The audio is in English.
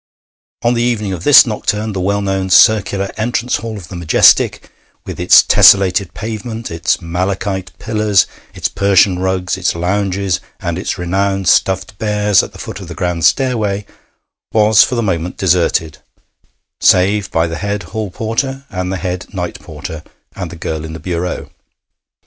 On the evening of this nocturne the well known circular entrance hall of the Majestic, with its tessellated pavement, its malachite pillars, its Persian rugs, its lounges, and its renowned stuffed bears at the foot of the grand stairway, was for the moment deserted, save by the head hall porter and the head night porter and the girl in the bureau.